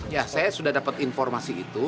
ya saya sudah dapat informasi itu